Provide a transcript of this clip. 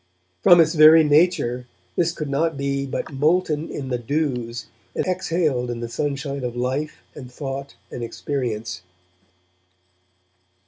From its very nature this could not but be molten in the dews and exhaled in the sunshine of life and thought and experience.